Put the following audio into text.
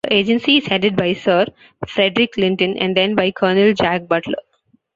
The agency is headed by Sir Frederick Clinton and then by Colonel Jack Butler.